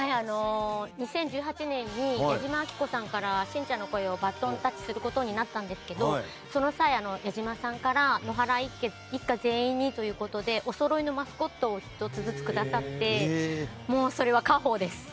２０１８年に矢島晶子さんからしんちゃんの声をバトンタッチすることになったんですがその際、矢島さんから野原一家全員にということでおそろいのマスコットを１つずつくださってそれは家宝です。